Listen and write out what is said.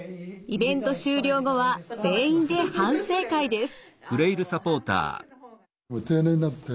イベント終了後は全員で反省会です。